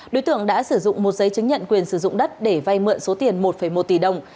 đối tượng đã sử dụng một giấy chứng nhận quyền sử dụng đất để vay mượn số tiền một một tỷ đồng